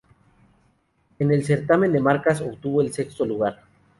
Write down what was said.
En el certamen de marcas obtuvo el sexto lugar.